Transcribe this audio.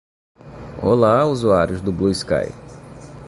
Olá, usuários do BlueSky